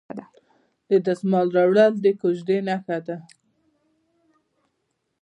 د دسمال راوړل د کوژدې نښه ده.